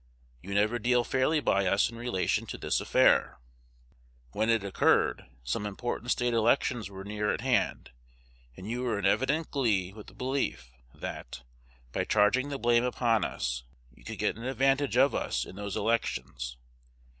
You never deal fairly by us in relation to this affair. When it occurred, some important State elections were near at hand; and you were in evident glee with the belief, that, by charging the blame upon us, you could get an advantage of us in those elections.